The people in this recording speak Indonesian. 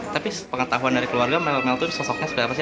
tapi pengetahuan dari keluarga melmel itu sosoknya seperti apa sih